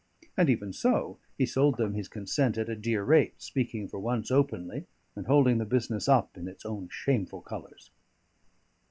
And even so, he sold them his consent at a dear rate, speaking for once openly, and holding the business up in its own shameful colours.